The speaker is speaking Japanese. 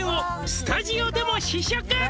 「スタジオでも試食」